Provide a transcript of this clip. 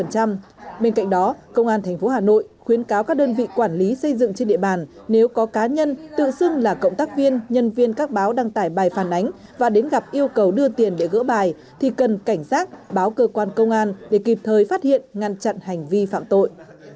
bên cạnh đó công an tp hà nội khuyến cáo các đơn vị quản lý xây dựng trên địa bàn nếu có cá nhân tự xưng là cộng tác viên nhân viên các báo đăng tải bài phản ánh và đến gặp yêu cầu đưa tiền để gỡ bài thì cần cảnh giác báo cơ quan công an để kịp thời phát hiện ngăn chặn hành vi phạm tội